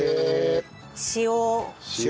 塩。